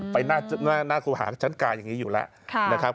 ไปหน้าครูหางชั้นกลางอย่างนี้อยู่แล้วนะครับ